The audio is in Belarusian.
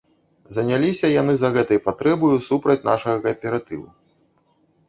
Заняліся яны за гэтай патрэбаю супраць нашага кааператыву.